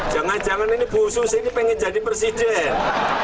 jangan jangan ini bu susi ini pengen jadi presiden